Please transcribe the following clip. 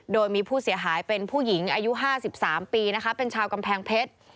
โดยมีผู้เสียหายเป็นผู้หญิงอายุ๕๓ปีนะคะเป็นชาวกำแพงเพชร